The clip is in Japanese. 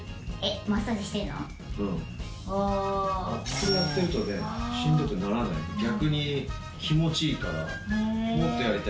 これやってるとねしんどくならない。逆に気持ちいいからもっとやりたいってなる。